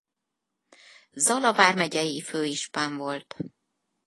Zala vármegyei főispán volt.